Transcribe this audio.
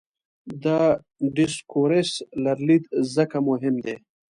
د ډسکورس لرلید ځکه مهم دی.